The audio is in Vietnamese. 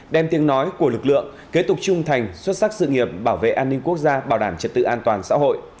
đem tiếng nói của lực lượng kế tục trung thành xuất sắc sự nghiệp bảo vệ an ninh quốc gia bảo đảm trật tự an toàn xã hội